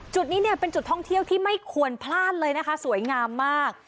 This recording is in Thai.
จุดนี้เนี่ยเป็นจุดท่องเที่ยวที่ไม่ควรพลาดเลยนะคะสวยงามมาก